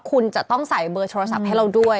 คุณจะต้องใส่เบอร์โทรศัพท์ให้เราด้วย